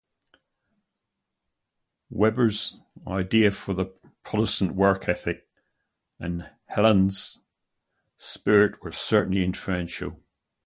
Weber's idea of the "Protestant work ethic" and Hegel's Spirit were certainly influential.